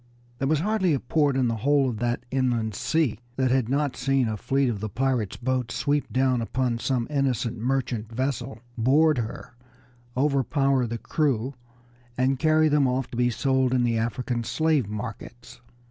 There was hardly a port in the whole of that inland sea that had not seen a fleet of the pirates' boats sweep down upon some innocent merchant vessel, board her, overpower the crew, and carry them off to be sold in the African slave markets.